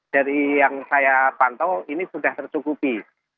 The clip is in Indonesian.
dari yang saya pantau ini sudah tercukupi